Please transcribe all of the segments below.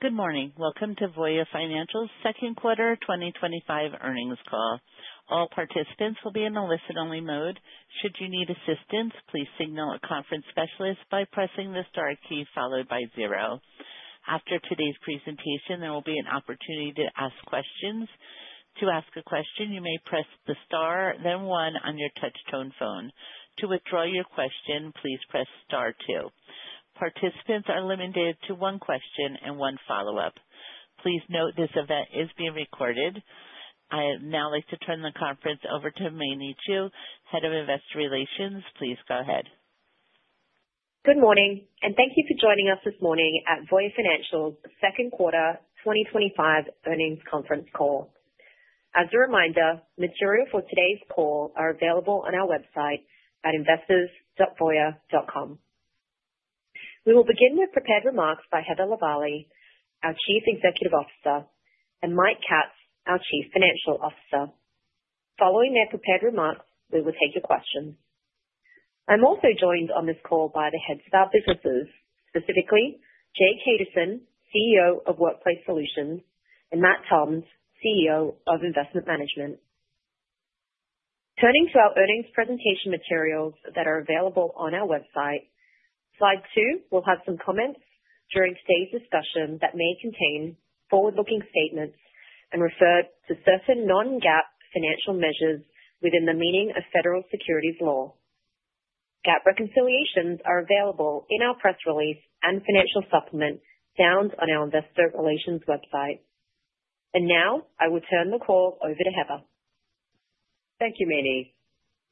Good morning. Welcome to Voya Financial's Second Quarter 2025 Earnings Call. All participants will be in a listen-only mode. Should you need assistance, please signal a conference specialist by pressing the star key followed by zero. After today's presentation, there will be an opportunity to ask questions. To ask a question, you may press the star, then one on your touch-tone phone. To withdraw your question, please press star two. Participants are limited to one question and one follow-up. Please note this event is being recorded. I'd now like to turn the conference over to Mei Ni Chu, Head of Investor Relations. Please go ahead. Good morning, and thank you for joining us this morning at Voya Financial's Second Quarter 2025 Earnings Conference Call. As a reminder, materials for today's call are available on our website at investors.voya.com. We will begin with prepared remarks by Heather Lavallee, our Chief Executive Officer, and Mike Katz, our Chief Financial Officer. Following their prepared remarks, we will take your questions. I'm also joined on this call by the heads of our businesses, specifically Jay Kaduson, CEO of Workplace Solutions, and Matt Toms, CEO of Investment Management. Turning to our earnings presentation materials that are available on our website, slide two will have some comments during today's discussion that may contain forward-looking statements and refer to certain non-GAAP financial measures within the meaning of federal securities law. GAAP reconciliations are available in our press release and financial supplement found on our investor relations website. I will now turn the call over to Heather. Thank you, Mei Ni.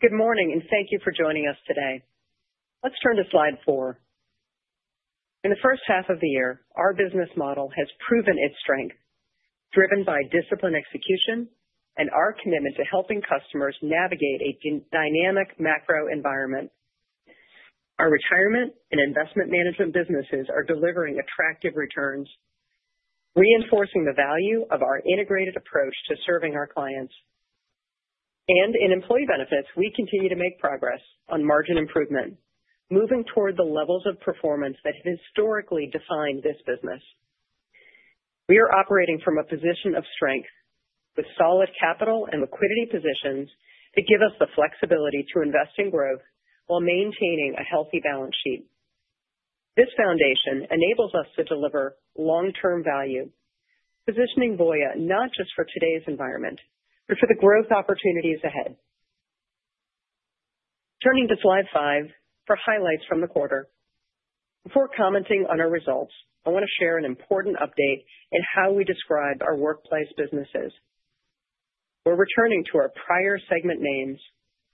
Good morning, and thank you for joining us today. Let's turn to slide four. In the first half of the year, our business model has proven its strength, driven by disciplined execution and our commitment to helping customers navigate a dynamic macro environment. Our retirement and investment management businesses are delivering attractive returns, reinforcing the value of our integrated approach to serving our clients. In employee benefits, we continue to make progress on margin improvement, moving toward the levels of performance that have historically defined this business. We are operating from a position of strength, with solid capital and liquidity positions that give us the flexibility to invest in growth while maintaining a healthy balance sheet. This foundation enables us to deliver long-term value, positioning Voya not just for today's environment but for the growth opportunities ahead. Turning to slide five for highlights from the quarter. Before commenting on our results, I want to share an important update in how we describe our workplace businesses. We're returning to our prior segment names,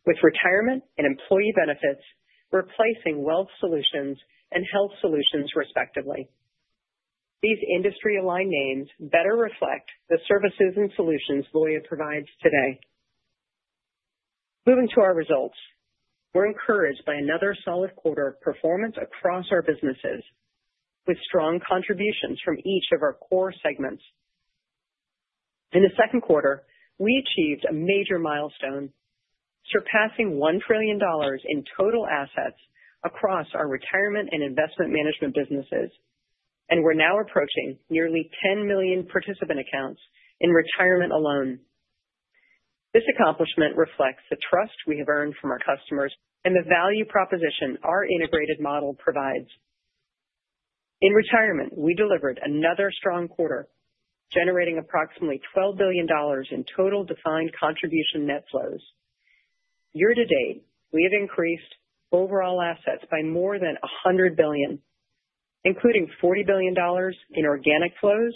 with retirement and employee benefits replacing Wealth Solutions and Health Solutions, respectively. These industry-aligned names better reflect the services and solutions Voya provides today. Moving to our results, we're encouraged by another solid quarter of performance across our businesses, with strong contributions from each of our core segments. In the second quarter, we achieved a major milestone, surpassing $1 trillion in total assets across our retirement and investment management businesses, and we're now approaching nearly 10 million participant accounts in retirement alone. This accomplishment reflects the trust we have earned from our customers and the value proposition our integrated model provides. In retirement, we delivered another strong quarter, generating approximately $12 billion in total defined contribution net flows. Year-to-date, we have increased overall assets by more than $100 billion, including $40 billion in organic flows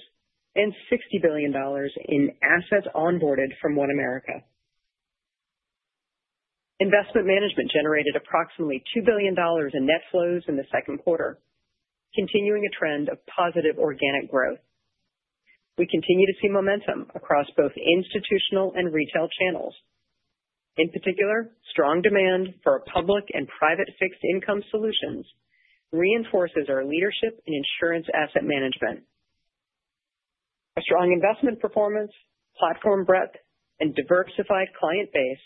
and $60 billion in assets onboarded from OneAmerica. Investment management generated approximately $2 billion in net flows in the second quarter, continuing a trend of positive organic growth. We continue to see momentum across both institutional and retail channels. In particular, strong demand for our public and private fixed income solutions reinforces our leadership in insurance asset management. Our strong investment performance, platform breadth, and diversified client base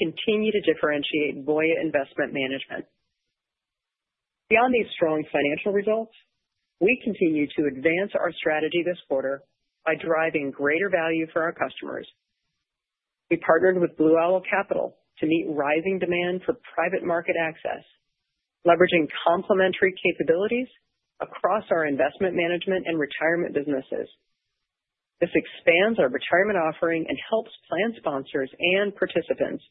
continue to differentiate Voya Investment Management. Beyond these strong financial results, we continue to advance our strategy this quarter by driving greater value for our customers. We partnered with Blue Owl Capital to meet rising demand for private market access, leveraging complementary capabilities across our investment management and retirement businesses. This expands our retirement offering and helps plan sponsors and participants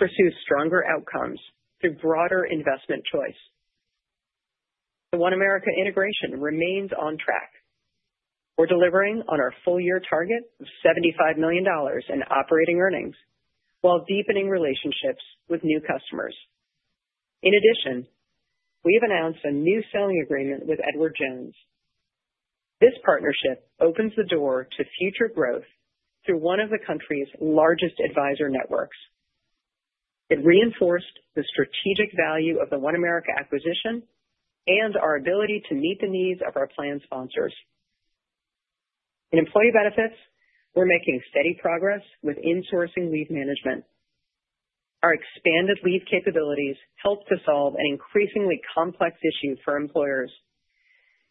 pursue stronger outcomes through broader investment choice. The OneAmerica integration remains on track. We're delivering on our full-year target of $75 million in operating earnings while deepening relationships with new customers. In addition, we've announced a new selling agreement with Edward Jones. This partnership opens the door to future growth through one of the country's largest advisor networks. It reinforced the strategic value of the OneAmerica acquisition and our ability to meet the needs of our plan sponsors. In employee benefits, we're making steady progress with insourcing leave management. Our expanded leave capabilities help to solve an increasingly complex issue for employers.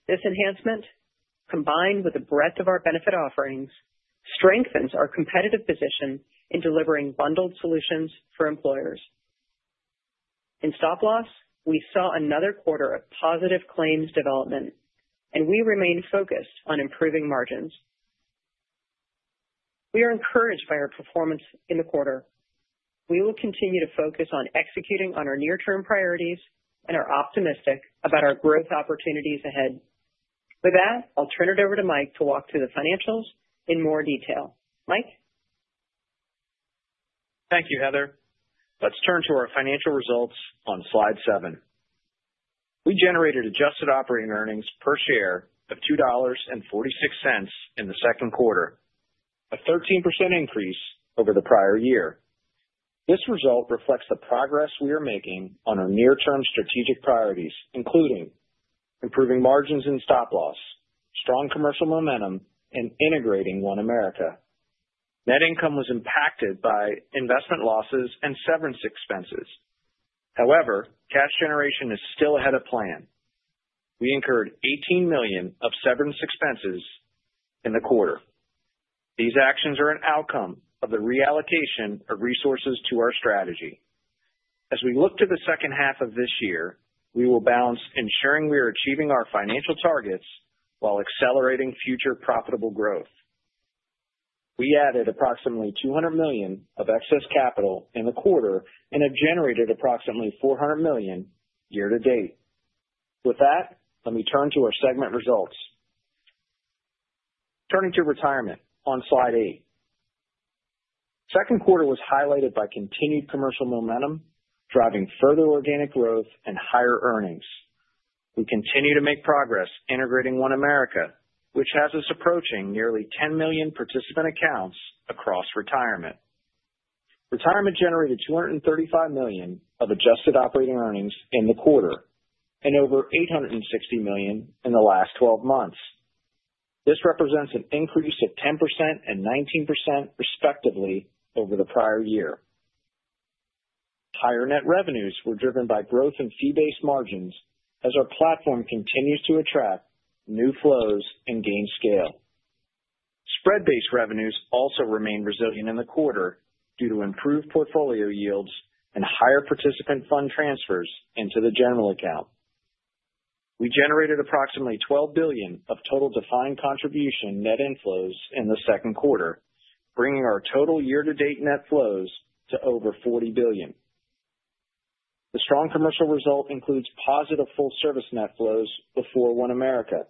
This enhancement, combined with the breadth of our benefit offerings, strengthens our competitive position in delivering bundled solutions for employers. In stop loss, we saw another quarter of positive claims development, and we remain focused on improving margins. We are encouraged by our performance in the quarter. We will continue to focus on executing on our near-term priorities, and we're optimistic about our growth opportunities ahead. With that, I'll turn it over to Mike to walk through the financials in more detail. Mike? Thank you, Heather. Let's turn to our financial results on slide seven. We generated adjusted operating earnings per share of $2.46 in the second quarter, a 13% increase over the prior year. This result reflects the progress we are making on our near-term strategic priorities, including improving margins in stop loss, strong commercial momentum, and integrating OneAmerica. Net income was impacted by investment losses and severance expenses. However, cash generation is still ahead of plan. We incurred $18 million of severance expenses in the quarter. These actions are an outcome of the reallocation of resources to our strategy. As we look to the second half of this year, we will balance ensuring we are achieving our financial targets while accelerating future profitable growth. We added approximately $200 million of excess capital in the quarter and have generated approximately $400 million year-to-date. With that, let me turn to our segment results. Turning to Retirement on slide eight. The second quarter was highlighted by continued commercial momentum, driving further organic growth and higher earnings. We continue to make progress integrating OneAmerica, which has us approaching nearly 10 million participant accounts across Retirement. Retirement generated $235 million of adjusted operating earnings in the quarter and over $860 million in the last 12 months. This represents an increase of 10% and 19%, respectively, over the prior year. Higher net revenues were driven by growth in fee-based margins as our platform continues to attract new flows and gain scale. Spread-based revenues also remain resilient in the quarter due to improved portfolio yields and higher participant fund transfers into the general account. We generated approximately $12 billion of total defined contribution net inflows in the second quarter, bringing our total year-to-date net flows to over $40 billion. The strong commercial result includes positive full service net flows before OneAmerica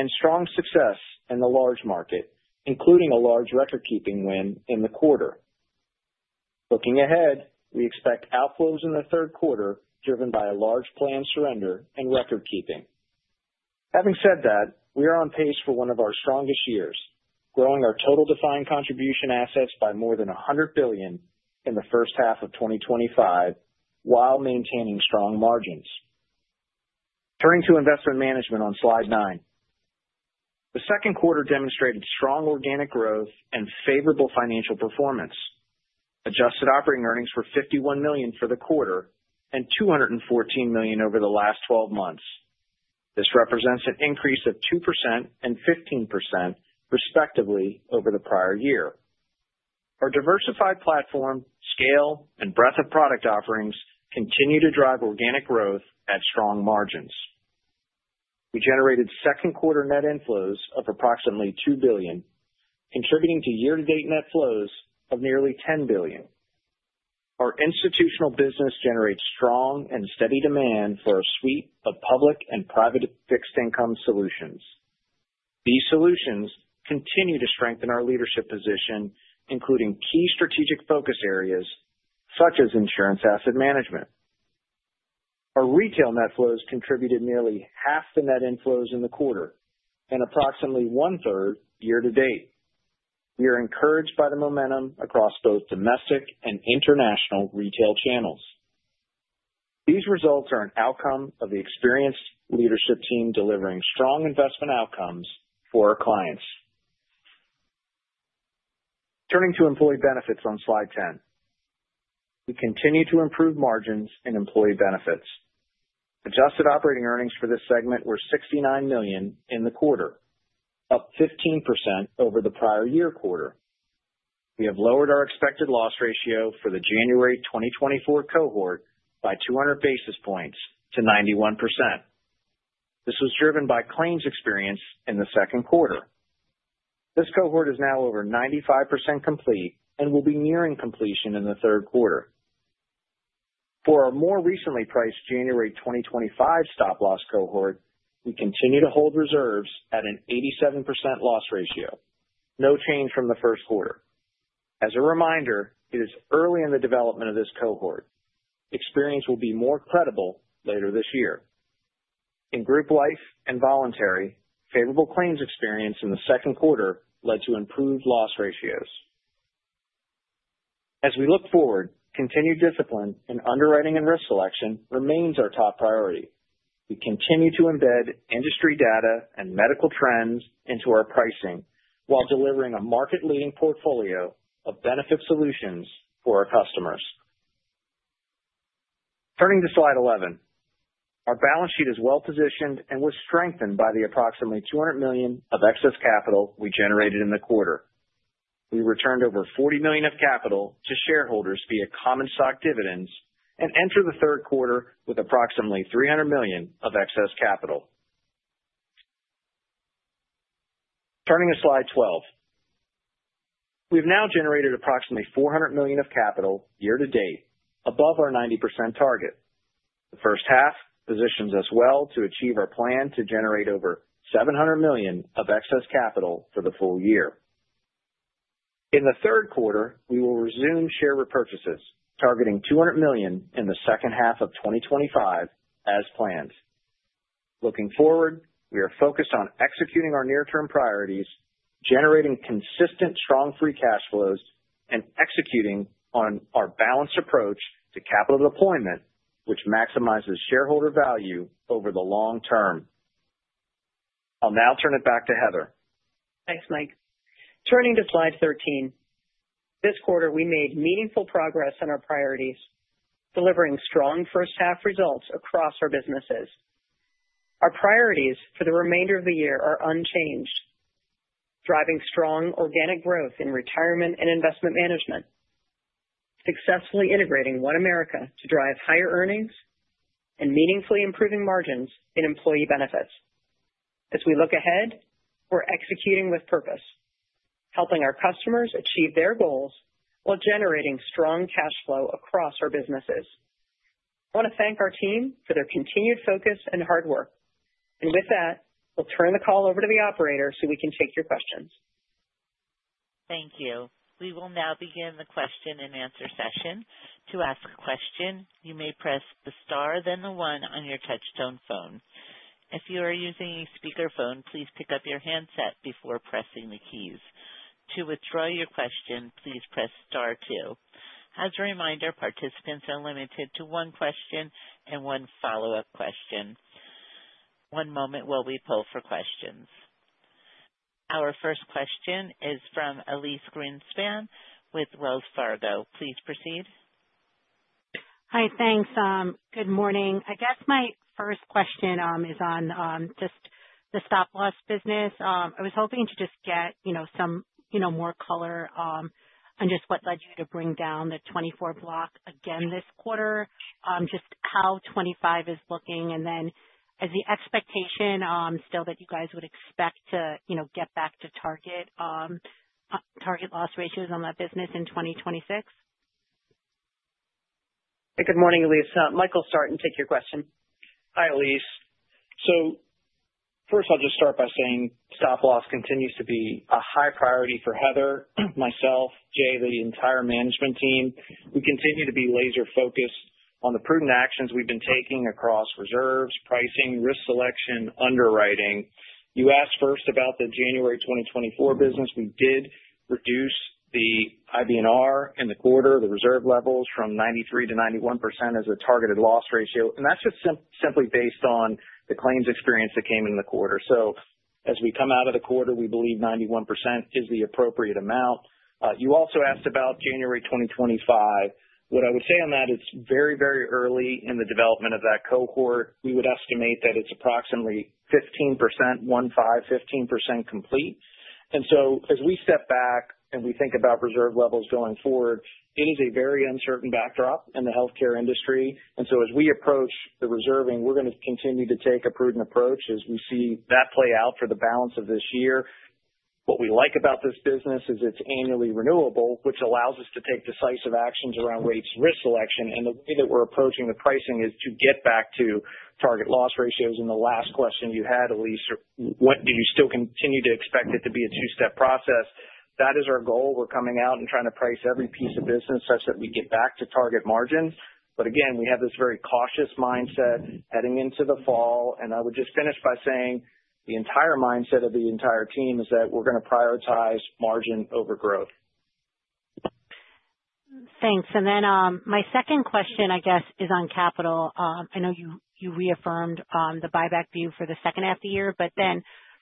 and strong success in the large market, including a large record-keeping win in the quarter. Looking ahead, we expect outflows in the third quarter driven by a large plan surrender and record keeping. Having said that, we are on pace for one of our strongest years, growing our total defined contribution assets by more than $100 billion in the first half of 2025 while maintaining strong margins. Turning to Investment Management on slide nine. The second quarter demonstrated strong organic growth and favorable financial performance, adjusted operating earnings of $51 million for the quarter and $214 million over the last 12 months. This represents an increase of 2% and 15%, respectively, over the prior year. Our diversified platform, scale, and breadth of product offerings continue to drive organic growth at strong margins. We generated second-quarter net inflows of approximately $2 billion, contributing to year-to-date net flows of nearly $10 billion. Our institutional business generates strong and steady demand for a suite of public and private fixed income solutions. These solutions continue to strengthen our leadership position, including key strategic focus areas such as insurance asset management. Our retail net flows contributed nearly half to net inflows in the quarter and approximately one-third year-to-date. We are encouraged by the momentum across both domestic and international retail channels. These results are an outcome of the experienced leadership team delivering strong investment outcomes for our clients. Turning to employee benefits on slide 10, we continue to improve margins in employee benefits. Adjusted operating earnings for this segment were $69 million in the quarter, up 15% over the prior year quarter. We have lowered our expected loss ratio for the January 2024 cohort by 200 basis points to 91%. This was driven by claims experience in the second quarter. This cohort is now over 95% complete and will be nearing completion in the third quarter. For our more recently priced January 2025 stop loss cohort, we continue to hold reserves at an 87% loss ratio, no change from the first quarter. As a reminder, it is early in the development of this cohort. Experience will be more credible later this year. In group life and voluntary, favorable claims experience in the second quarter led to improved loss ratios. As we look forward, continued discipline in underwriting and risk selection remains our top priority. We continue to embed industry data and medical trends into our pricing while delivering a market-leading portfolio of benefit solutions for our customers. Turning to slide 11, our balance sheet is well-positioned and was strengthened by the approximately $200 million of excess capital we generated in the quarter. We returned over $40 million of capital to shareholders via common stock dividends and entered the third quarter with approximately $300 million of excess capital. Turning to slide 12, we've now generated approximately $400 million of capital year-to-date, above our 90% target. The first half positions us well to achieve our plan to generate over $700 million of excess capital for the full year. In the third quarter, we will resume share repurchases, targeting $200 million in the second half of 2025 as planned. Looking forward, we are focused on executing our near-term priorities, generating consistent, strong free cash flows, and executing on our balanced approach to capital deployment, which maximizes shareholder value over the long term. I'll now turn it back to Heather. Thanks, Mike. Turning to slide 13. This quarter, we made meaningful progress on our priorities, delivering strong first-half results across our businesses. Our priorities for the remainder of the year are unchanged, driving strong organic growth in retirement and investment management, successfully integrating OneAmerica to drive higher earnings and meaningfully improving margins in employee benefits. As we look ahead, we're executing with purpose, helping our customers achieve their goals while generating strong cash flow across our businesses. I want to thank our team for their continued focus and hard work. With that, I'll turn the call over to the operator so we can take your questions. Thank you. We will now begin the question and answer session. To ask a question, you may press the star, then the one on your touch-tone phone. If you are using a speaker phone, please pick up your handset before pressing the keys. To withdraw your question, please press star two. As a reminder, participants are limited to one question and one follow-up question. One moment while we poll for questions. Our first question is from Elyse Greenspan with Wells Fargo. Please proceed. Hi, thanks. Good morning. I guess my first question is on just the stop loss business. I was hoping to get some more color on what led you to bring down the 2024 block again this quarter, how 2025 is looking, and then is the expectation still that you guys would expect to get back to target loss ratios on that business in 2026? Good morning, Elyse. Michael will start and take your question. Hi, Elyse. First, I'll just start by saying stop loss continues to be a high priority for Heather, myself, Jay, the entire management team. We continue to be laser focused on the prudent actions we've been taking across reserves, pricing, risk selection, and underwriting. You asked first about the January 2024 business. We did reduce the IBNR in the quarter, the reserve levels from 93% to 91% as a targeted loss ratio. That's just simply based on the claims experience that came in the quarter. As we come out of the quarter, we believe 91% is the appropriate amount. You also asked about January 2025. What I would say on that is it's very, very early in the development of that cohort. We would estimate that it's approximately 15%, one five, 15% complete. As we step back and we think about reserve levels going forward, it is a very uncertain backdrop in the healthcare industry. As we approach the reserving, we're going to continue to take a prudent approach as we see that play out for the balance of this year. What we like about this business is it's annually renewable, which allows us to take decisive actions around rates and risk selection. The way that we're approaching the pricing is to get back to target loss ratios. The last question you had, Elyse, was do you still continue to expect it to be a two-step process? That is our goal. We're coming out and trying to price every piece of business such that we get back to target margins. Again, we have this very cautious mindset heading into the fall. I would just finish by saying the mindset of the entire team is that we're going to prioritize margin over growth. Thanks. My second question, I guess, is on capital. I know you reaffirmed the buyback view for the second half of the year, but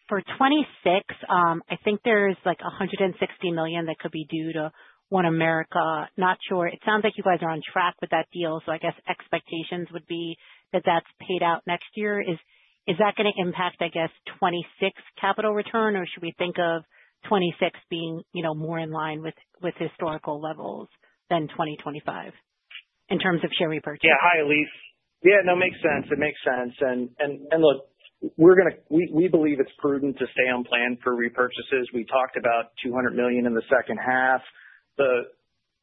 for 2026, I think there's like $160 million that could be due to OneAmerica. Not sure. It sounds like you guys are on track with that deal. I guess expectations would be that that's paid out next year. Is that going to impact, I guess, 2026 capital return, or should we think of 2026 being more in line with historical levels than 2025 in terms of share repurchase? Yeah. Hi, Elyse. Yeah, it makes sense. It makes sense. We believe it's prudent to stay on plan for repurchases. We talked about $200 million in the second half. The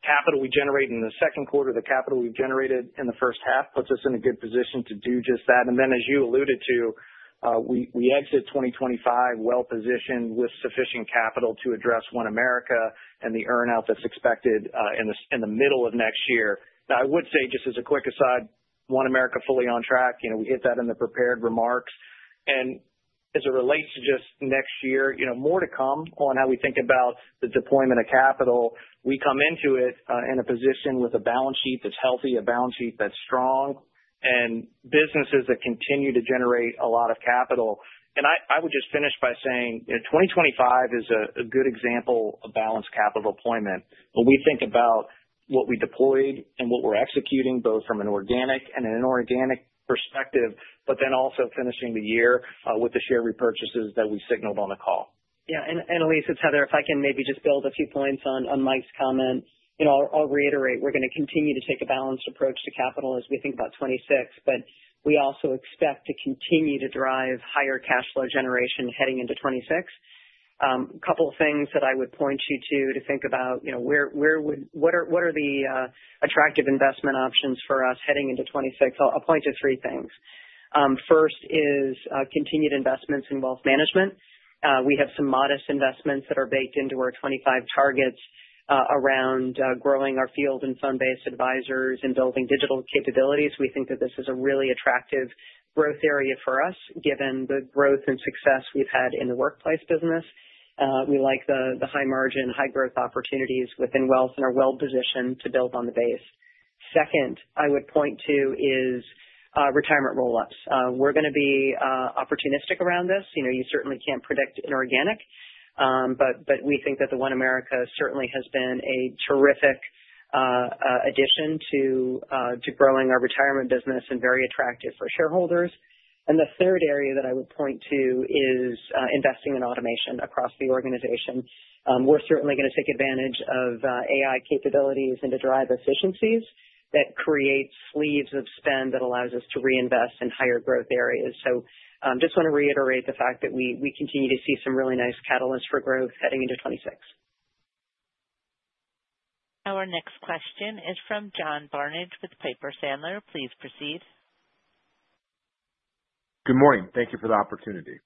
capital we generate in the second quarter, the capital we've generated in the first half puts us in a good position to do just that. As you alluded to, we exit 2025 well-positioned with sufficient capital to address OneAmerica and the earnout that's expected in the middle of next year. I would say just as a quick aside, OneAmerica fully on track. We hit that in the prepared remarks. As it relates to just next year, more to come on how we think about the deployment of capital. We come into it in a position with a balance sheet that's healthy, a balance sheet that's strong, and businesses that continue to generate a lot of capital. I would just finish by saying 2025 is a good example of balanced capital deployment. We think about what we deployed and what we're executing both from an organic and an inorganic perspective, and also finishing the year with the share repurchases that we signaled on the call. Yeah. And Elyse, it's Heather. If I can maybe just build a few points on Mike's comment, I'll reiterate, we're going to continue to take a balanced approach to capital as we think about 2026, but we also expect to continue to drive higher cash flow generation heading into 2026. A couple of things that I would point you to to think about, where would, what are the attractive investment options for us heading into 2026? I'll point to three things. First is continued investments in wealth management. We have some modest investments that are baked into our 2025 targets around growing our field and fund-based advisors and building digital capabilities. We think that this is a really attractive growth area for us given the growth and success we've had in the workplace business. We like the high margin, high growth opportunities within wealth and are well-positioned to build on the base. Second, I would point to is retirement roll-ups. We're going to be opportunistic around this. You certainly can't predict inorganic, but we think that the OneAmerica certainly has been a terrific addition to growing our retirement business and very attractive for shareholders. The third area that I would point to is investing in automation across the organization. We're certainly going to take advantage of AI capabilities to drive efficiencies that create sleeves of spend that allow us to reinvest in higher growth areas. I just want to reiterate the fact that we continue to see some really nice catalysts for growth heading into 2026. Our next question is from John Barnidge with Piper Sandler. Please proceed. Good morning. Thank you for the opportunity.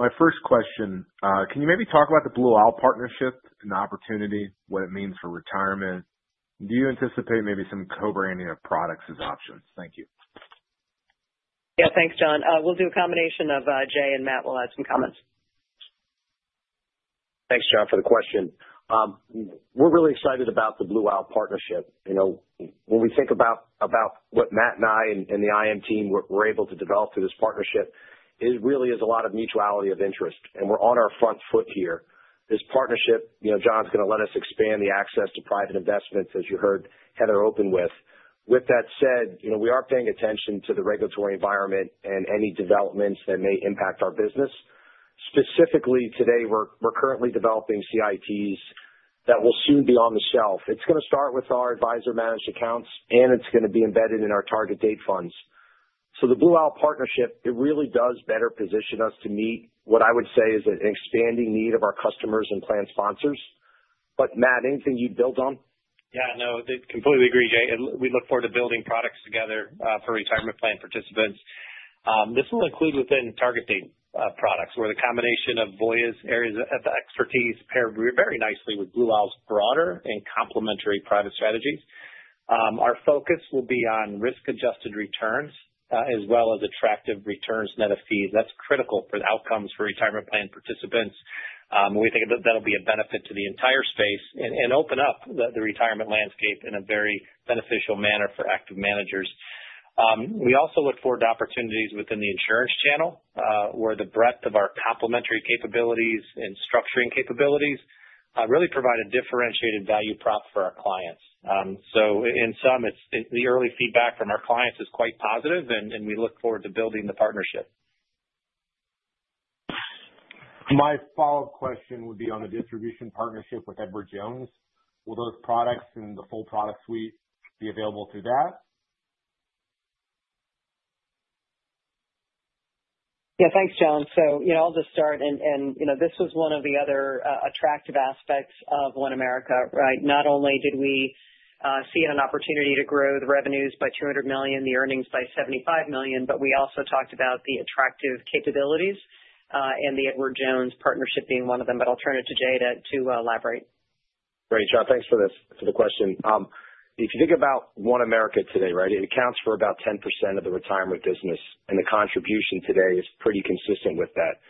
My first question, can you maybe talk about the Blue Owl partnership, an opportunity, what it means for retirement? Do you anticipate maybe some co-branding of products as options? Thank you. Yeah, thanks, John. We'll do a combination of Jay and Matt will add some comments. Thanks, John, for the question. We're really excited about the Blue Owl Partnership. You know, when we think about what Matt and I and the IM team were able to develop through this partnership, it really is a lot of mutuality of interest. We're on our front foot here. This partnership is going to let us expand the access to private investments, as you heard Heather open with. With that said, we are paying attention to the regulatory environment and any developments that may impact our business. Specifically today, we're currently developing CITs that will soon be on the shelf. It's going to start with our advisor managed accounts, and it's going to be embedded in our target date funds. The Blue Owl Partnership really does better position us to meet what I would say is an expanding need of our customers and plan sponsors. Matt, anything you'd build on? Yeah, no, I completely agree, Jay. We look forward to building products together for retirement plan participants. This will include within target date products, where the combination of Voya's areas of expertise pair very nicely with Blue Owl's broader and complementary private strategies. Our focus will be on risk-adjusted returns, as well as attractive returns net of fees. That's critical for the outcomes for retirement plan participants. We think that that'll be a benefit to the entire space and open up the retirement landscape in a very beneficial manner for active managers. We also look forward to opportunities within the insurance channel, where the breadth of our complementary capabilities and structuring capabilities really provide a differentiated value prop for our clients. In sum, the early feedback from our clients is quite positive, and we look forward to building the partnership. My follow-up question would be on the distribution partnership with Edward Jones. Will those products and the full product suite be available through that? Yeah, thanks, John. I'll just start. This was one of the other attractive aspects of OneAmerica, right? Not only did we see an opportunity to grow the revenues by $200 million, the earnings by $75 million, we also talked about the attractive capabilities and the Edward Jones partnership being one of them. I'll turn it to Jay to elaborate. Great, John. Thanks for the question. If you think about OneAmerica today, right, it accounts for about 10% of the retirement business, and the contribution today is pretty consistent with that.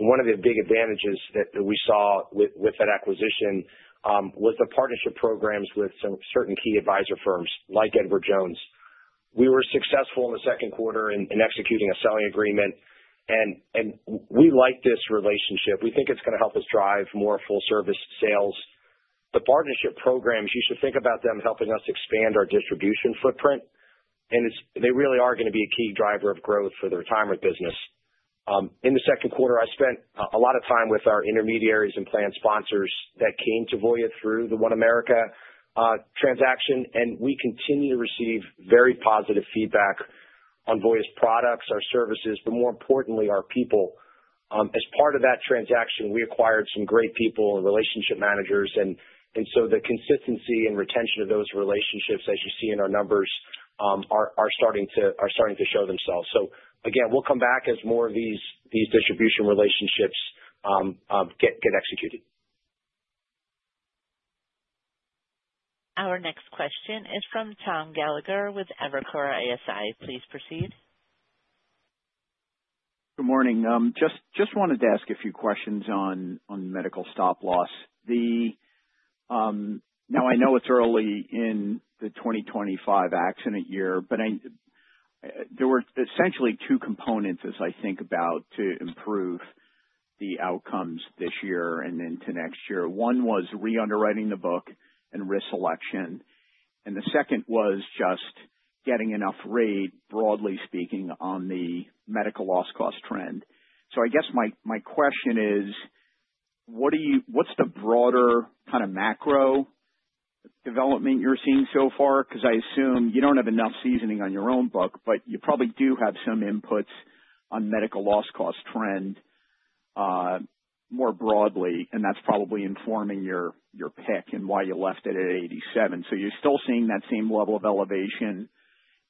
One of the big advantages that we saw with that acquisition was the partnership programs with some certain key advisor firms like Edward Jones. We were successful in the second quarter in executing a selling agreement. We like this relationship. We think it's going to help us drive more full-service sales. The partnership programs, you should think about them helping us expand our distribution footprint. They really are going to be a key driver of growth for the retirement business. In the second quarter, I spent a lot of time with our intermediaries and plan sponsors that came to Voya through the OneAmerica transaction. We continue to receive very positive feedback on Voya's products, our services, but more importantly, our people. As part of that transaction, we acquired some great people and relationship managers. The consistency and retention of those relationships, as you see in our numbers, are starting to show themselves. We'll come back as more of these distribution relationships get executed. Our next question is from Tom Gallagher with Evercore ISI. Please proceed. Good morning. Just wanted to ask a few questions on medical stop loss. I know it's early in the 2025 action at year, but there were essentially two components, as I think about to improve the outcomes this year and into next year. One was re-underwriting the book and risk selection. The second was just getting enough read, broadly speaking, on the medical loss cost trend. My question is, what's the broader kind of macro development you're seeing so far? I assume you don't have enough seasoning on your own book, but you probably do have some inputs on medical loss cost trend more broadly, and that's probably informing your pick and why you left it at 87%. You're still seeing that same level of elevation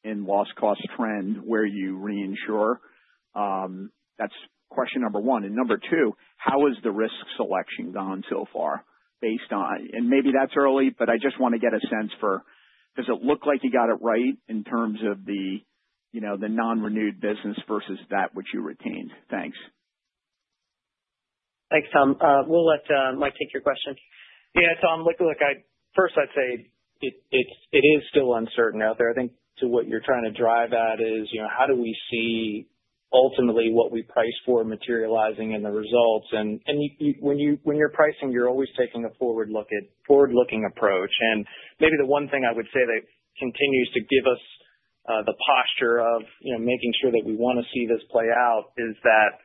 in loss cost trend where you reinsure. That's question number one. Number two, how has the risk selection gone so far? Maybe that's early, but I just want to get a sense for, does it look like you got it right in terms of the non-renewed business versus that which you retained? Thanks. Thanks, Tom. We'll let Mike take your question. Yeah. I'm looking like, first, I'd say it is still uncertain out there. I think to what you're trying to drive at is, you know, how do we see ultimately what we price for materializing in the results? When you're pricing, you're always taking a forward-looking approach. Maybe the one thing I would say that continues to give us the posture of, you know, making sure that we want to see this play out is that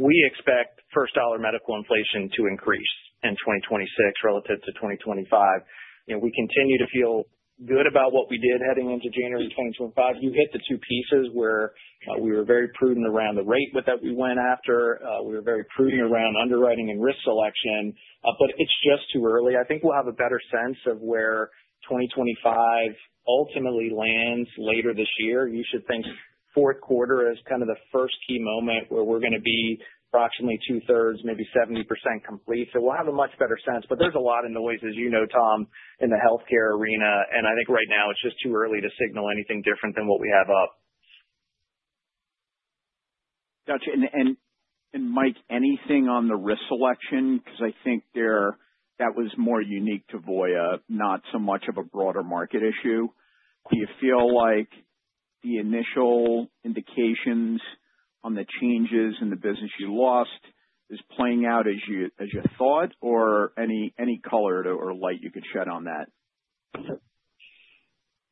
we expect first-dollar medical inflation to increase in 2026 relative to 2025. We continue to feel good about what we did heading into January 2025. You hit the two pieces where we were very prudent around the rate that we went after. We were very prudent around underwriting and risk selection. It's just too early. I think we'll have a better sense of where 2025 ultimately lands later this year. You should think the fourth quarter is kind of the first key moment where we're going to be approximately two-thirds, maybe 70% complete. We'll have a much better sense. There's a lot of noise, as you know, Tom, in the healthcare arena. I think right now it's just too early to signal anything different than what we have up. Gotcha. Mike, anything on the risk selection? I think that was more unique to Voya, not so much of a broader market issue. Do you feel like the initial indications on the changes in the business you lost are playing out as you thought, or any color or light you could shed on that?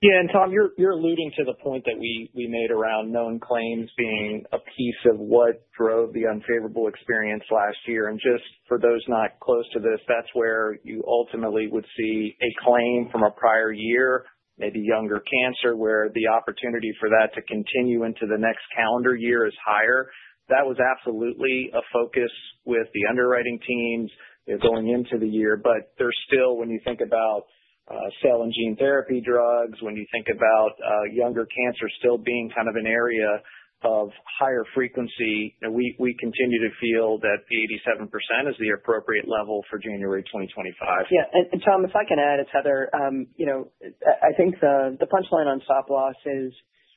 Yeah. Tom, you're leading to the point that we made around known claims being a piece of what drove the unfavorable experience last year. Just for those not close to this, that's where you ultimately would see a claim from a prior year, maybe younger cancer, where the opportunity for that to continue into the next calendar year is higher. That was absolutely a focus with the underwriting teams going into the year. There's still, when you think about cell and gene therapy drugs, when you think about younger cancer still being kind of an area of higher frequency, we continue to feel that the 87% is the appropriate level for January 2025. Yeah. Tom, if I can add, it's Heather. I think the punchline on stop loss is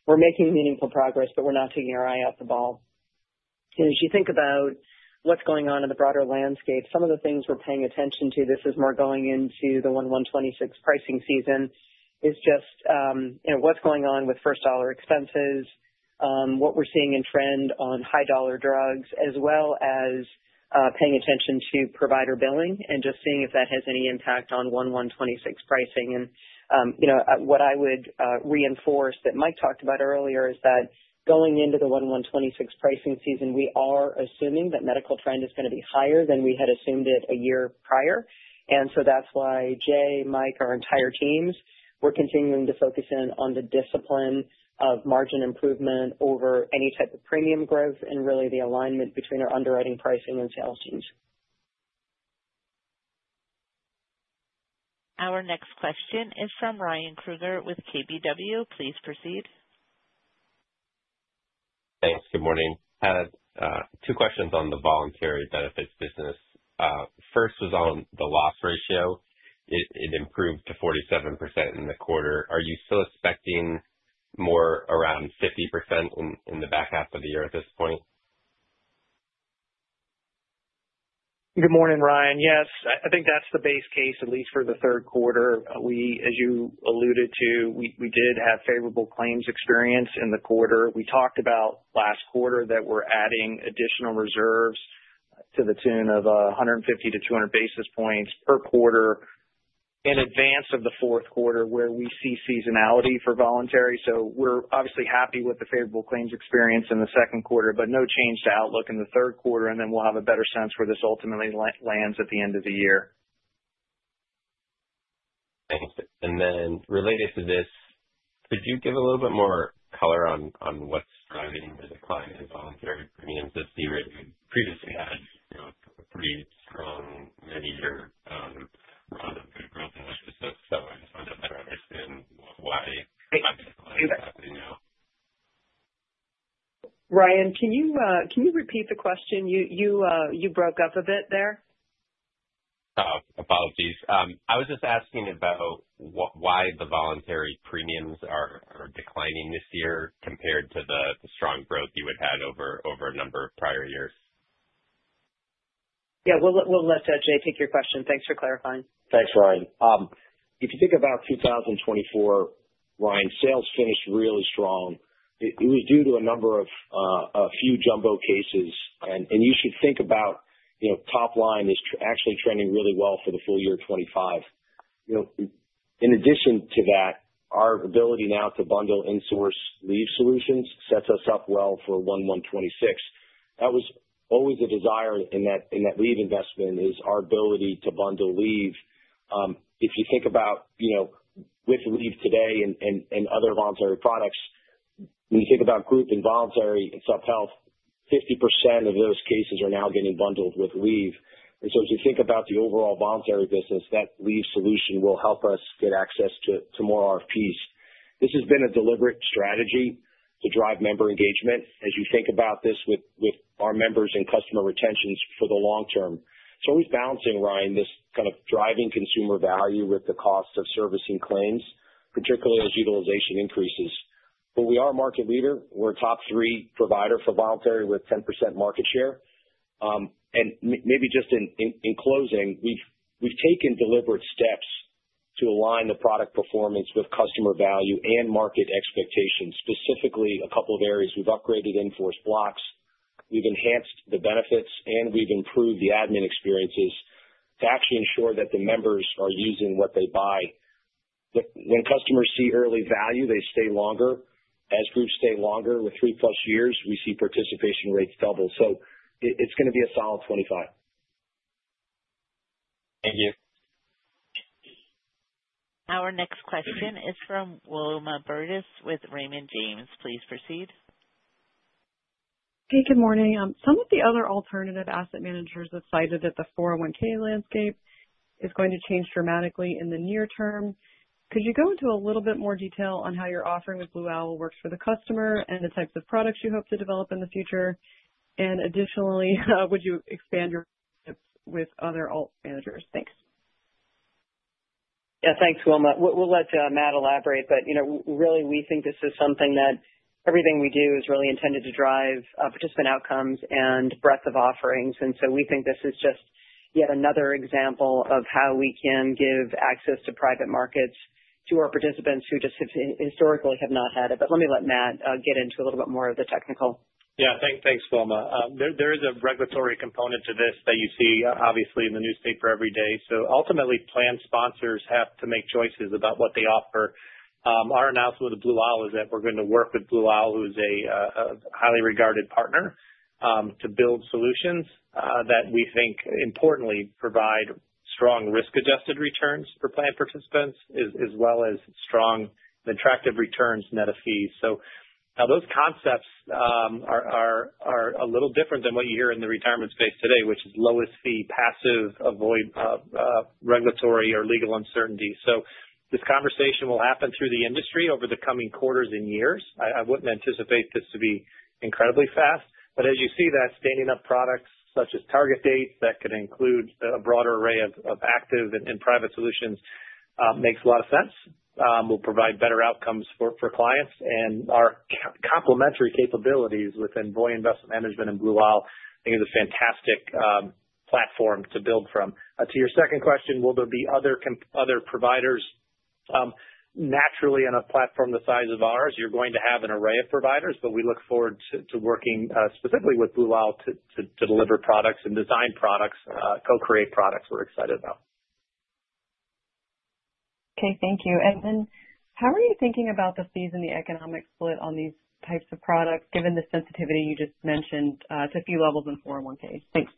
we're making meaningful progress, but we're not taking our eye off the ball. As you think about what's going on in the broader landscape, some of the things we're paying attention to, this is more going into the 11/26 pricing season, is just what's going on with first-dollar expenses, what we're seeing in trend on high-dollar drugs, as well as paying attention to provider billing and seeing if that has any impact on 11/26 pricing. What I would reinforce that Mike talked about earlier is that going into the 11/26 pricing season, we are assuming that medical trend is going to be higher than we had assumed it a year prior. That's why Jay, Mike, our entire teams, we're continuing to focus in on the discipline of margin improvement over any type of premium growth and really the alignment between our underwriting pricing and sales teams. Our next question is from Ryan Krueger with KBW. Please proceed. Thanks. Good morning. I had two questions on the voluntary benefits business. First was on the loss ratio. It improved to 47% in the quarter. Are you still expecting more around 50% in the back half of the year at this point? Good morning, Ryan. Yes, I think that's the base case, at least for the third quarter. As you alluded to, we did have favorable claims experience in the quarter. We talked about last quarter that we're adding additional reserves to the tune of 150-200 basis points per quarter in advance of the fourth quarter where we see seasonality for voluntary. We're obviously happy with the favorable claims experience in the second quarter, but no change to outlook in the third quarter. We'll have a better sense where this ultimately lands at the end of the year. Could you give a little bit more color on what's driving the decline in voluntary premiums as we previously had a pretty strong mid-year growth analysis? I just wanted to clarify why the decline is happening now. Ryan, can you repeat the question? You broke up a bit there. Oh, apologies. I was just asking about why the voluntary premiums are declining this year compared to the strong growth you had had over a number of prior years. Yeah, we'll let Jay take your question. Thanks for clarifying. Thanks, Ryan. If you think about 2024, Ryan, sales finished really strong. It was due to a number of a few jumbo cases. You should think about, you know, top line is actually trending really well for the full year of 2025. In addition to that, our ability now to bundle insource leave solutions sets us up well for 11/26. That was always a desire in that leave investment, our ability to bundle leave. If you think about, you know, with leave today and other voluntary products, when you think about group involuntary and subhealth, 50% of those cases are now getting bundled with leave. If you think about the overall voluntary business, that leave solution will help us get access to more RFPs. This has been a deliberate strategy to drive member engagement as you think about this with our members and customer retentions for the long term. I'm always balancing, Ryan, this kind of driving consumer value with the cost of servicing claims, particularly as utilization increases. We are a market leader. We're a top three provider for voluntary with 10% market share. Maybe just in closing, we've taken deliberate steps to align the product performance with customer value and market expectations, specifically a couple of areas. We've upgraded invoice blocks, we've enhanced the benefits, and we've improved the admin experiences to actually ensure that the members are using what they buy. When customers see early value, they stay longer. As fruits stay longer with three-plus years, we see participation rates double. It's going to be a solid 2025. Thank you. Our next question is from Wilma Burdis with Raymond James. Please proceed. Hey, good morning. Some of the other alternative asset managers have cited that the 401(k) landscape is going to change dramatically in the near term. Could you go into a little bit more detail on how your offering with Blue Owl Capital works for the customer and the types of products you hope to develop in the future? Additionally, would you expand your with other alt managers? Thanks. Yeah, thanks, Wilma. We'll let Matt elaborate. We think this is something that everything we do is really intended to drive participant outcomes and breadth of offerings. We think this is just yet another example of how we can give access to private markets to our participants who just historically have not had it. Let me let Matt get into a little bit more of the technical. Yeah, thanks, Wilma. There is a regulatory component to this that you see, obviously, in the newspaper every day. Ultimately, plan sponsors have to make choices about what they offer. Our announcement with Blue Owl is that we're going to work with Blue Owl, who is a highly regarded partner, to build solutions that we think importantly provide strong risk-adjusted returns for plan participants, as well as strong and attractive returns net of fees. Now those concepts are a little different than what you hear in the retirement space today, which is lowest fee, passive, avoid regulatory or legal uncertainty. This conversation will happen through the industry over the coming quarters and years. I wouldn't anticipate this to be incredibly fast. As you see, standing up products such as target date that could include a broader array of active and private solutions makes a lot of sense. We'll provide better outcomes for clients. Our complementary capabilities within Voya Investment Management and Blue Owl, I think, is a fantastic platform to build from. To your second question, will there be other providers? Naturally, in a platform the size of ours, you're going to have an array of providers, but we look forward to working specifically with Blue Owl to deliver products and design products, co-create products we're excited about. Thank you. How are you thinking about the fees and the economic split on these types of products, given the sensitivity you just mentioned to fee levels in 401(k)? Thanks.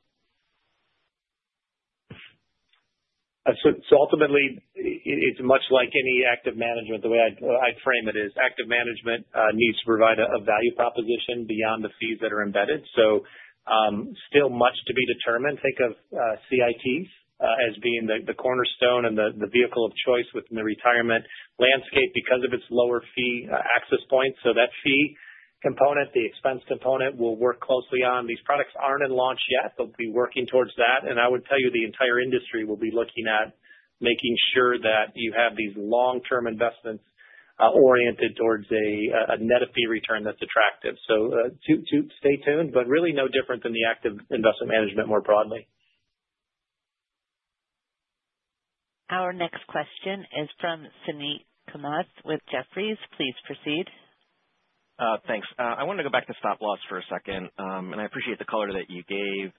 Ultimately, it's much like any active management. The way I frame it is active management needs to provide a value proposition beyond the fees that are embedded. Still, much to be determined. Think of CITs as being the cornerstone and the vehicle of choice within the retirement landscape because of its lower fee access points. That fee component, the expense component, we'll work closely on. These products aren't in launch yet, but we'll be working towards that. I would tell you the entire industry will be looking at making sure that you have these long-term investments oriented towards a net of fee return that's attractive. Stay tuned, but really no different than the active investment management more broadly. Our next question is from Suneet Kamath with Jefferies. Please proceed. Thanks. I wanted to go back to stop loss for a second, and I appreciate the color that you gave.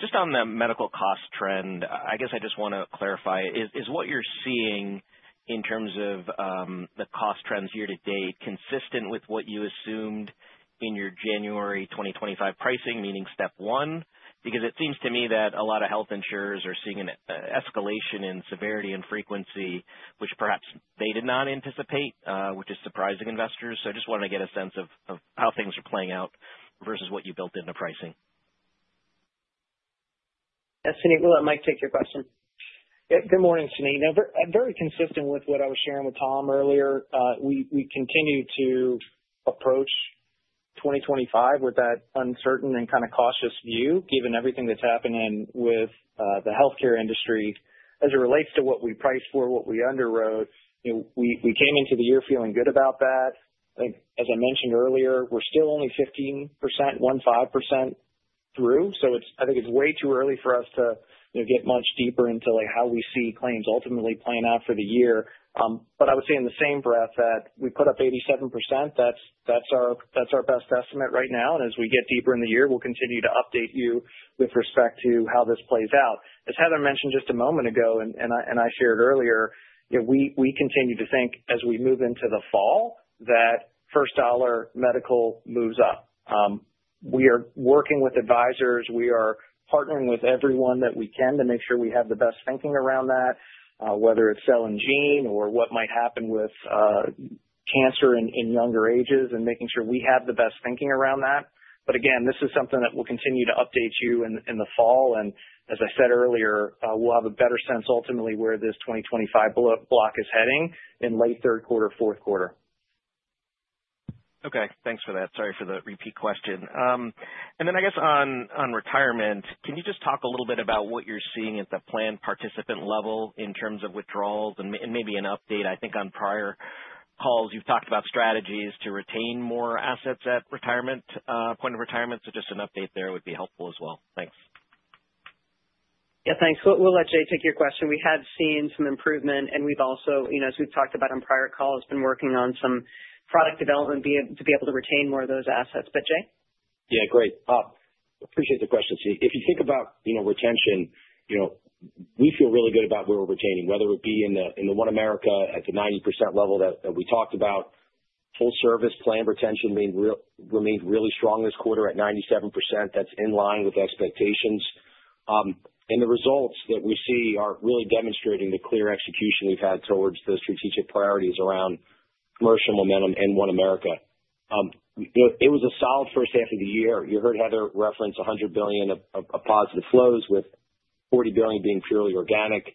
Just on the medical cost trend, I guess I just want to clarify, is what you're seeing in terms of the cost trends year to date consistent with what you assumed in your January 2025 pricing, meaning step one? It seems to me that a lot of health insurers are seeing an escalation in severity and frequency, which perhaps they did not anticipate, which is surprising investors. I just wanted to get a sense of how things are playing out versus what you built into pricing. Yes, Suneet, I let Mike take your question. Yeah, good morning, Suneet. Very consistent with what I was sharing with Tom earlier. We continue to approach 2025 with that uncertain and kind of cautious view, given everything that's happening with the healthcare industry as it relates to what we price for, what we underwrote. We came into the year feeling good about that. I think, as I mentioned earlier, we're still only 15% through. I think it's way too early for us to get much deeper into how we see claims ultimately playing out for the year. I would say in the same breath that we put up 87%, that's our best estimate right now. As we get deeper in the year, we'll continue to update you with respect to how this plays out. As Heather mentioned just a moment ago and I shared earlier, we continue to think as we move into the fall that first-dollar medical moves up. We are working with advisors. We are partnering with everyone that we can to make sure we have the best thinking around that, whether it's cell and gene or what might happen with cancer in younger ages and making sure we have the best thinking around that. This is something that we'll continue to update you in the fall. As I said earlier, we'll have a better sense ultimately where this 2025 block is heading in late third quarter, fourth quarter. Okay, thanks for that. Sorry for the repeat question. I guess on retirement, can you just talk a little bit about what you're seeing at the plan participant level in terms of withdrawals and maybe an update? I think on prior calls, you've talked about strategies to retain more assets at the point of retirement. Just an update there would be helpful as well. Thanks. Thank you. We'll let Jay take your question. We have seen some improvement, and we've also, as we've talked about on prior calls, been working on some product development to be able to retain more of those assets. Jay? Yeah, great. I appreciate the question. If you think about retention, we feel really good about where we're retaining, whether it be in the OneAmerica at the 90% level that we talked about. Full-service plan retention remains really strong this quarter at 97%. That's in line with expectations. The results that we see are really demonstrating the clear execution we've had towards the strategic priorities around commercial momentum and OneAmerica. It was a solid first half of the year. You heard Heather reference $100 billion of positive flows with $40 billion being purely organic.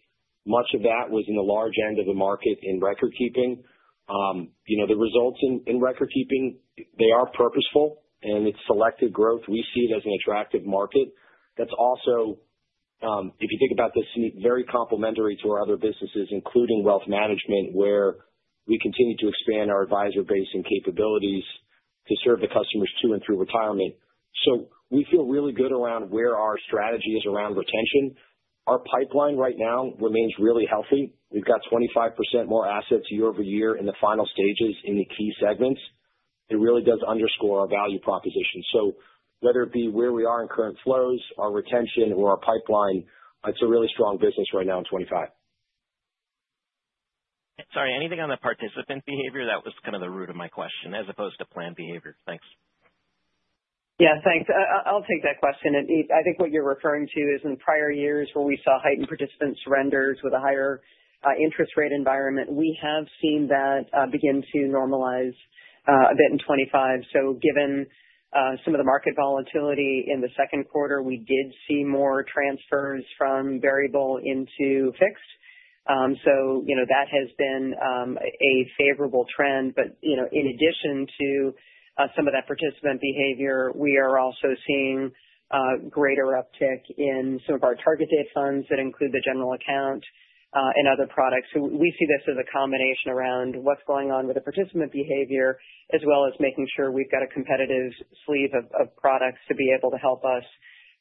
Much of that was in the large end of the market in record keeping. The results in record keeping are purposeful, and it's selective growth we see as an attractive market. If you think about this, Suneet, it's very complementary to our other businesses, including wealth management, where we continue to expand our advisor base and capabilities to serve the customers to and through retirement. We feel really good around where our strategy is around retention. Our pipeline right now remains really healthy. We've got 25% more assets year-over-year in the final stages in the key segments. It really does underscore our value proposition. Whether it be where we are in current flows, our retention, or our pipeline, it's a really strong business right now in 2025. Sorry, anything on the participant behavior? That was kind of the root of my question as opposed to planned behavior. Thanks. Yeah, thanks. I'll take that question. I think what you're referring to is in prior years where we saw heightened participant surrenders with a higher interest rate environment. We have seen that begin to normalize a bit in 2025. Given some of the market volatility in the second quarter, we did see more transfers from variable into fixed, so that has been a favorable trend. In addition to some of that participant behavior, we are also seeing a greater uptick in some of our target date funds that include the general account and other products. We see this as a combination around what's going on with the participant behavior, as well as making sure we've got a competitive sleeve of products to be able to help us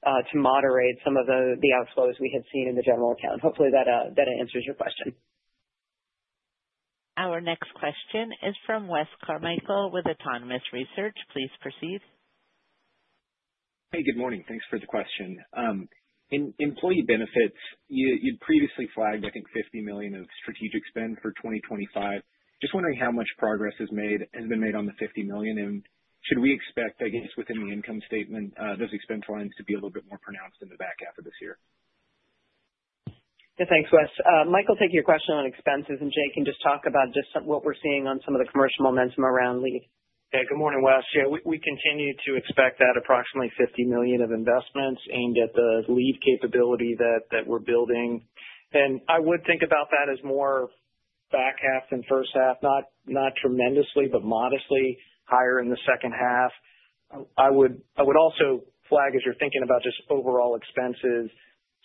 to moderate some of the outflows we have seen in the general account. Hopefully, that answers your question. Our next question is from Wesley Carmichael with Autonomous Research. Please proceed. Hey, good morning. Thanks for the question. In Employee Benefits, you'd previously flagged, I think, $50 million of strategic spend for 2025. Just wondering how much progress has been made on the $50 million. Should we expect, I guess, within the income statement, those expense lines to be a little bit more pronounced in the back half of this year? Yeah, thanks, Wes. Michael, take your question on expenses, and Jay can just talk about what we're seeing on some of the commercial momentum around leave. Yeah, good morning, Wes. We continue to expect that approximately $50 million of investments aimed at the leave capability that we're building. I would think about that as more back half than first half, not tremendously, but modestly higher in the second half. I would also flag, as you're thinking about just overall expenses,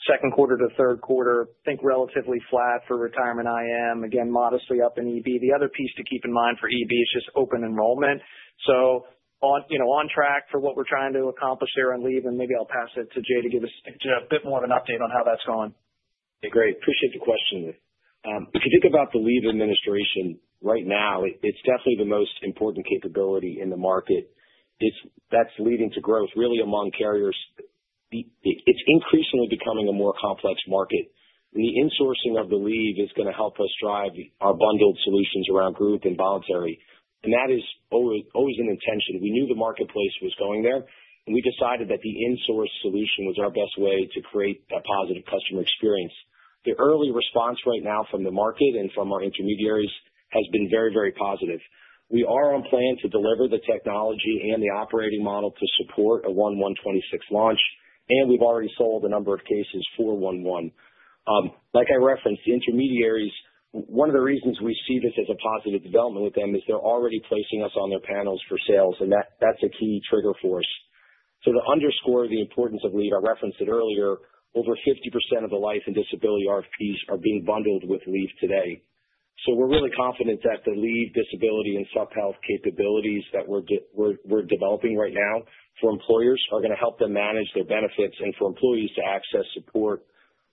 second quarter to third quarter, think relatively flat for Retirement IM. Again, modestly up in Employee Benefits. The other piece to keep in mind for Employee Benefits is just open enrollment. On track for what we're trying to accomplish there on leave, and maybe I'll pass it to Jay to give us a bit more of an update on how that's going. Yeah, great. Appreciate the question. If you think about the leave administration right now, it's definitely the most important capability in the market. That's leading to growth really among carriers. It's increasingly becoming a more complex market. The insourcing of the leave is going to help us drive our Bundled Solutions around group and voluntary. That is always an intention. We knew the marketplace was going there, and we decided that the insource solution was our best way to create that positive customer experience. The early response right now from the market and from our intermediaries has been very, very positive. We are on plan to deliver the technology and the operating model to support a 11/26 launch, and we've already sold a number of cases for 11. Like I referenced, the intermediaries, one of the reasons we see this as a positive development with them is they're already placing us on their panels for sales, and that's a key trigger for us. To underscore the importance of leave, I referenced it earlier, over 50% of the life and disability RFPs are being bundled with leave today. We're really confident that the leave, disability, and subhealth capabilities that we're developing right now for employers are going to help them manage their benefits and for employees to access support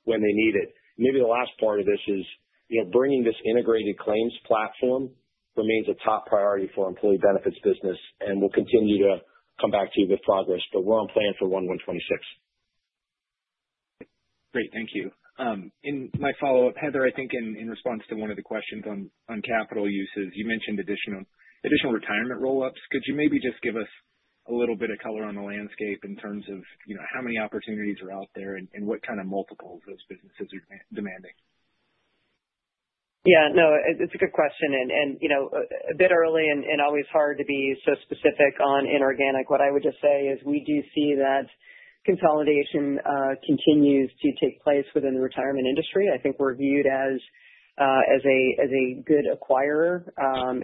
when they need it. Maybe the last part of this is, you know, bringing this integrated claims platform remains a top priority for our Employee Benefits business, and we'll continue to come back to you with progress. We're on plan for 11/26. Great, thank you. In my follow-up, Heather, I think in response to one of the questions on capital uses, you mentioned additional retirement roll-ups. Could you maybe just give us a little bit of color on the landscape in terms of how many opportunities are out there and what kind of multiples those businesses are demanding? Yeah, it's a good question. You know, a bit early and always hard to be so specific on inorganic. What I would just say is we do see that consolidation continues to take place within the retirement industry. I think we're viewed as a good acquirer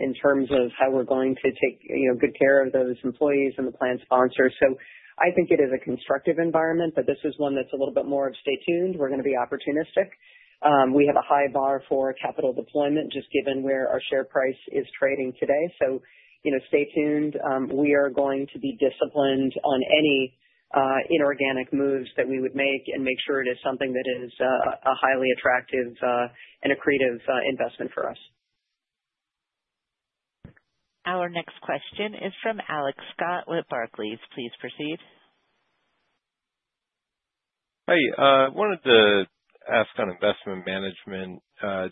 in terms of how we're going to take good care of those employees and the plan sponsors. I think it is a constructive environment, but this is one that's a little bit more of stay tuned. We're going to be opportunistic. We have a high bar for capital deployment, just given where our share price is trading today. You know, stay tuned. We are going to be disciplined on any inorganic moves that we would make and make sure it is something that is a highly attractive and accretive investment for us. Our next question is from Alex Scott with Barclays. Please proceed. Hey, I wanted to ask on investment management,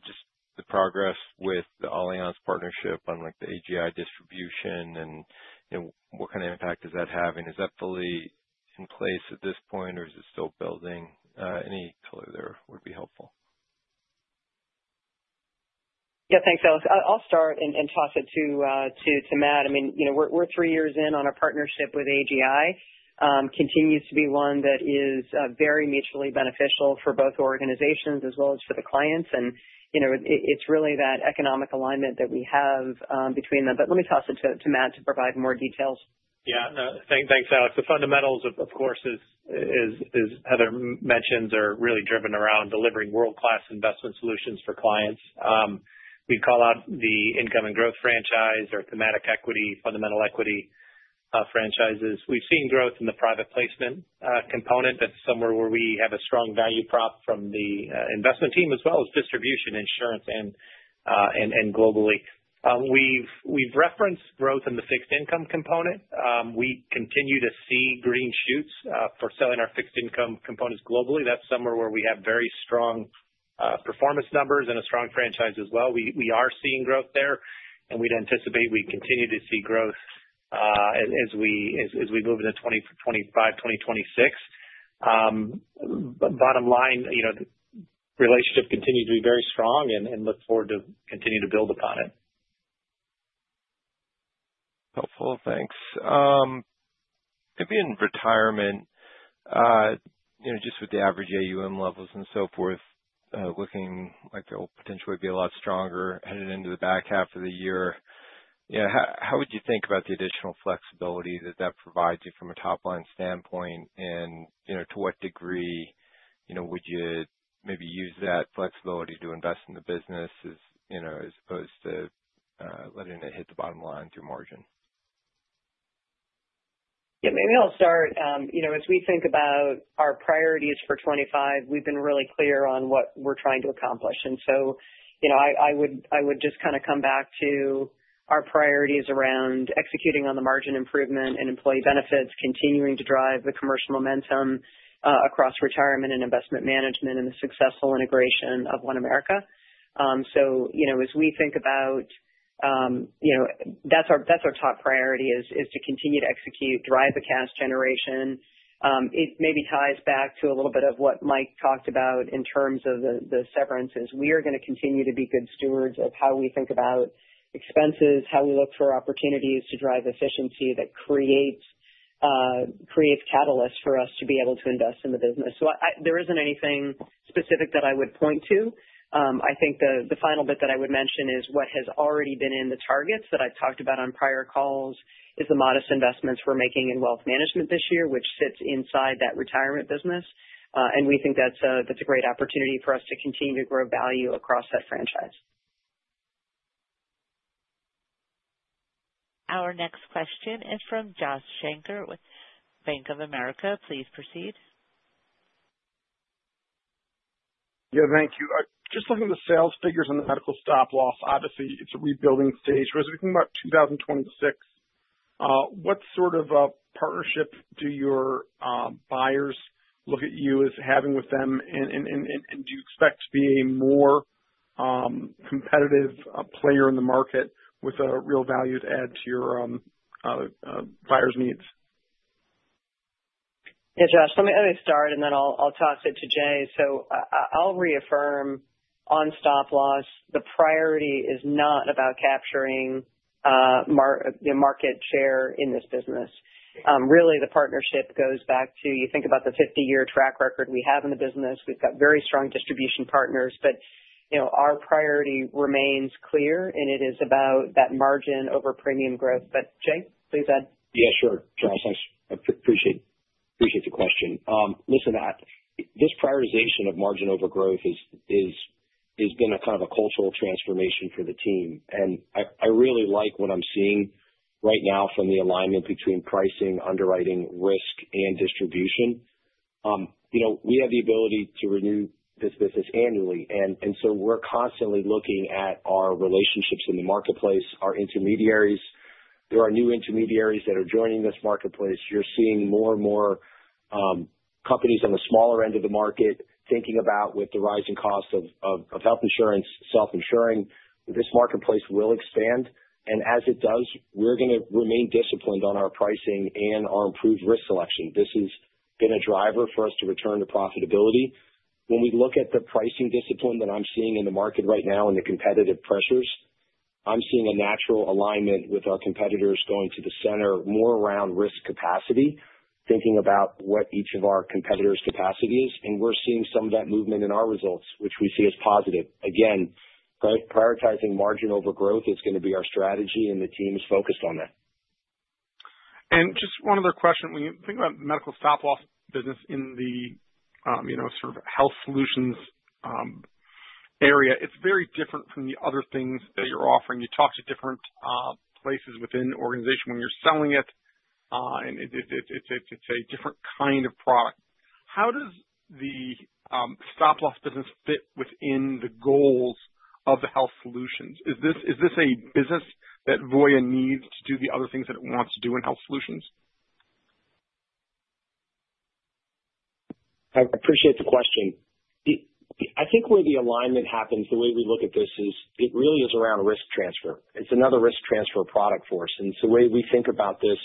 just the progress with the Allianz partnership on like the AGI distribution and, you know, what kind of impact is that having? Is that fully in place at this point or is it still building? Any color there would be helpful. Yeah, thanks, Alex. I'll start and toss it to Matt. I mean, you know, we're three years in on our partnership with AGI. It continues to be one that is very mutually beneficial for both organizations as well as for the clients. It's really that economic alignment that we have between them. Let me toss it to Matt to provide more details. Yeah, thanks, Alex. The fundamentals, of course, as Heather mentioned, are really driven around delivering world-class investment solutions for clients. We'd call out the income and growth franchise or thematic equity, fundamental equity franchises. We've seen growth in the private placement component. That's somewhere where we have a strong value prop from the investment team as well as distribution insurance and globally. We've referenced growth in the fixed income component. We continue to see green shoots for selling our fixed income components globally. That's somewhere where we have very strong performance numbers and a strong franchise as well. We are seeing growth there, and we'd anticipate we'd continue to see growth as we move into 2025-2026. Bottom line, you know, the relationship continues to be very strong and look forward to continuing to build upon it. Helpful, thanks. Maybe in Retirement, just with the average AUM levels and so forth, looking like it'll potentially be a lot stronger headed into the back half of the year. How would you think about the additional flexibility that that provides you from a top-line standpoint? To what degree would you maybe use that flexibility to invest in the business as opposed to letting it hit the bottom line through margin? Maybe I'll start. As we think about our priorities for 2025, we've been really clear on what we're trying to accomplish. I would just come back to our priorities around executing on the margin improvement in employee benefits, continuing to drive the commercial momentum across retirement and investment management, and the successful integration of OneAmerica. As we think about it, that's our top priority, to continue to execute and drive the cash generation. It maybe ties back to a little bit of what Mike talked about in terms of the severances. We are going to continue to be good stewards of how we think about expenses, how we look for opportunities to drive efficiency that creates catalysts for us to be able to invest in the business. There isn't anything specific that I would point to. The final bit that I would mention is what has already been in the targets that I've talked about on prior calls, which is the modest investments we're making in wealth management this year, which sits inside that retirement business. We think that's a great opportunity for us to continue to grow value across that franchise. Our next question is from Josh Shanker with Bank of America. Please proceed. Yeah, thank you. Just looking at the sales figures on the medical stop loss, obviously, it's a rebuilding stage. As we think about 2026, what sort of partnership do your buyers look at you as having with them? Do you expect to be a more competitive player in the market with a real value to add to your buyers' needs? Yeah, Josh, let me start, and then I'll toss it to Jay. I'll reaffirm on stop loss, the priority is not about capturing market share in this business. The partnership goes back to you think about the 50-year track record we have in the business. We've got very strong distribution partners, but our priority remains clear, and it is about that margin over premium growth. Jay, please add. Yeah, sure. Thanks. Appreciate the question. This prioritization of margin over growth has been a kind of a cultural transformation for the team. I really like what I'm seeing right now from the alignment between pricing, underwriting, risk, and distribution. We have the ability to renew this business annually, so we're constantly looking at our relationships in the marketplace, our intermediaries. There are new intermediaries that are joining this marketplace. You're seeing more and more companies on the smaller end of the market thinking about, with the rising cost of health insurance, self-insuring. This marketplace will expand. As it does, we're going to remain disciplined on our pricing and our improved risk selection. This has been a driver for us to return to profitability. When we look at the pricing discipline that I'm seeing in the market right now and the competitive pressures, I'm seeing a natural alignment with our competitors going to the center more around risk capacity, thinking about what each of our competitors' capacity is. We're seeing some of that movement in our results, which we see as positive. Again, prioritizing margin over growth is going to be our strategy, and the team is focused on that. Just one other question. When you think about the medical stop loss business in the, you know, sort of health solutions area, it's very different from the other things that you're offering. You talk to different places within the organization when you're selling it, and it's a different kind of product. How does the stop loss business fit within the goals of the health solutions? Is this a business that Voya needs to do the other things that it wants to do in health solutions? I appreciate the question. I think where the alignment happens, the way we look at this is it really is around risk transfer. It's another risk transfer product for us. The way we think about this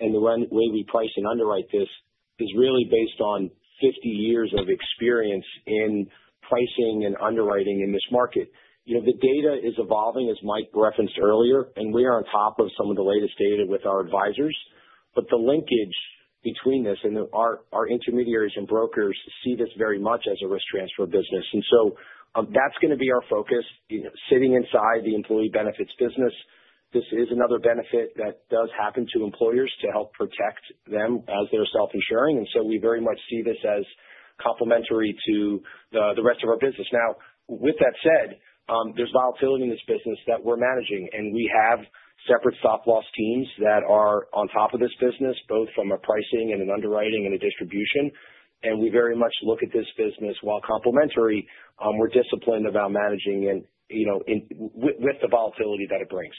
and the way we price and underwrite this is really based on 50 years of experience in pricing and underwriting in this market. The data is evolving, as Mike referenced earlier, and we are on top of some of the latest data with our advisors. The linkage between this and our intermediaries and brokers see this very much as a risk transfer business. That's going to be our focus. Sitting inside the Employee Benefits business, this is another benefit that does happen to employers to help protect them as they're self-insuring. We very much see this as complementary to the rest of our business. Now, with that said, there's volatility in this business that we're managing, and we have separate Stop Loss teams that are on top of this business, both from a pricing and an underwriting and a distribution. We very much look at this business while complementary. We're disciplined about managing it with the volatility that it brings.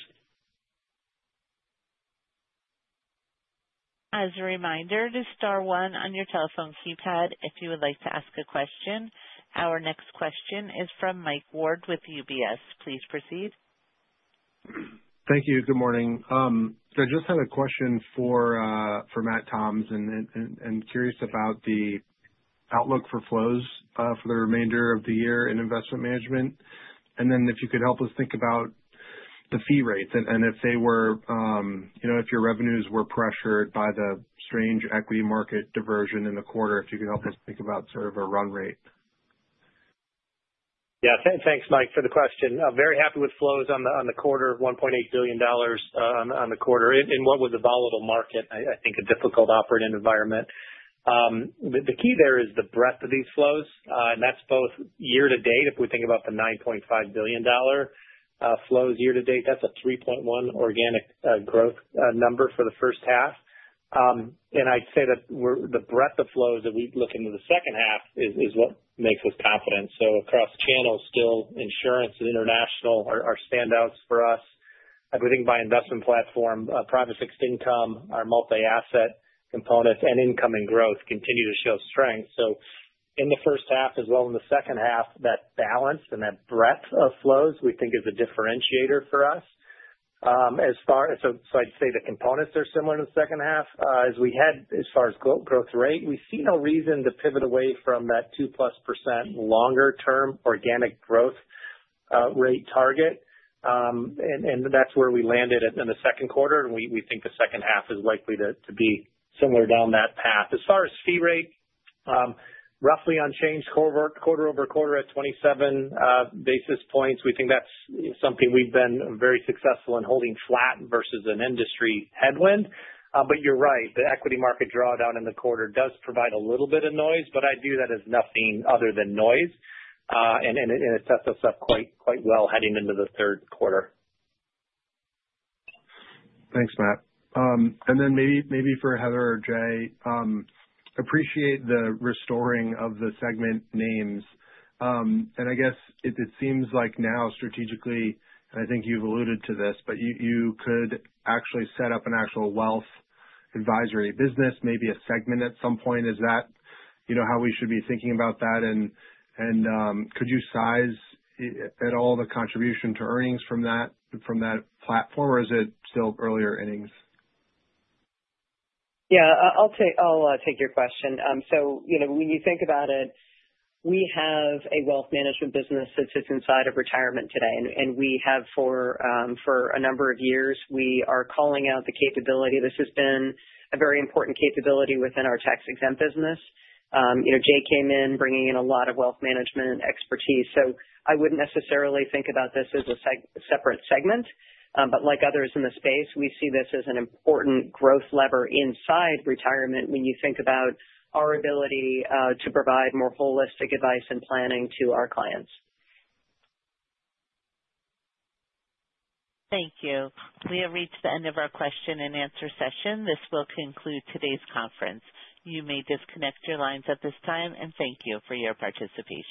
As a reminder, just star one on your telephone keypad if you would like to ask a question. Our next question is from Michael Ward with UBS. Please proceed. Thank you. Good morning. I just had a question for Matt Toms and I'm curious about the outlook for flows for the remainder of the year in Investment Management. If you could help us think about the fee rates and if they were, you know, if your revenues were pressured by the strange equity market diversion in the quarter, if you could help us think about sort of a run-rate. Yeah, thanks, Mike, for the question. Very happy with flows on the quarter, $1.8 billion on the quarter in what with a volatile market, I think a difficult operating environment. The key there is the breadth of these flows, and that's both year to date. If we think about the $9.5 billion flows year to date, that's a 3.1% organic growth number for the first half. I'd say that the breadth of flows that we look into the second half is what makes us confident. Across channels, still insurance and international are standouts for us. If we think about investment platform, private fixed income, our multi-asset components, and incoming growth continue to show strength. In the first half as well as in the second half, that balance and that breadth of flows we think is a differentiator for us. I'd say the components are similar in the second half. As we head as far as growth rate, we see no reason to pivot away from that 2%+ longer-term organic growth rate target. That's where we landed in the second quarter, and we think the second half is likely to be similar down that path. As far as fee rate, roughly unchanged quarter over quarter at 27 basis points. We think that's something we've been very successful in holding flat versus an industry headwind. You're right, the equity market drawdown in the quarter does provide a little bit of noise, but I view that as nothing other than noise. It sets us up quite well heading into the third quarter. Thanks, Matt. Maybe for Heather or Jay, appreciate the restoring of the segment names. It seems like now strategically, and I think you've alluded to this, you could actually set up an actual wealth advisory business, maybe a segment at some point. Is that how we should be thinking about that? Could you size at all the contribution to earnings from that platform, or is it still earlier innings? Yeah, I'll take your question. When you think about it, we have a wealth management business that sits inside of Retirement today. We have, for a number of years, been calling out the capability. This has been a very important capability within our tax-exempt business. Jay came in bringing in a lot of wealth management expertise. I wouldn't necessarily think about this as a separate segment. Like others in the space, we see this as an important growth lever inside Retirement when you think about our ability to provide more holistic advice and planning to our clients. Thank you. We have reached the end of our question and answer session. This will conclude today's conference. You may disconnect your lines at this time, and thank you for your participation.